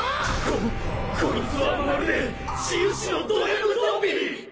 ここいつはまるで治癒士のドＭゾンビ！